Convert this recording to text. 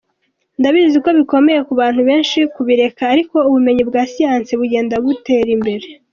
"Ndabizi ko bikomeye ku bantu benshi kubireka ariko ubumenyi bwa siyansi bugenda butera imbere.